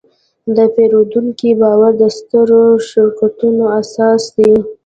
د پیرودونکي باور د سترو شرکتونو اساس دی.